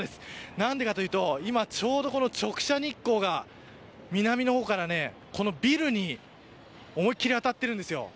なんでかというとちょうど直射日光が南の方から、このビルに思いっきり当たっているんですよ。